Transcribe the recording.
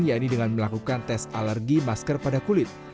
yaitu dengan melakukan tes alergi masker pada kulit